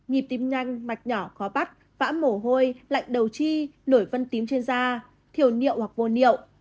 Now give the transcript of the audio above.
nhịp tim nhanh mạch nhỏ khó bắt vã mổ hôi lạnh đầu chi nổi vân tím trên da thiều niệm hoặc vô niệu